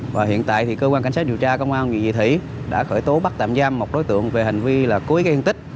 và hiện tại thì cơ quan cảnh sát điều tra công an nguyễn vị thủy đã khởi tố bắt tạm giam một đối tượng về hành vi là cúi gây hương tích